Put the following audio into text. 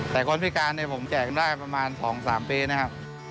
แต่คนพิการเนี่ยผมแจกได้ประมาณ๒๓ปีนะครับ